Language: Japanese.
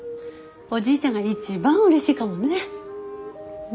おじいちゃんが一番うれしいかもね。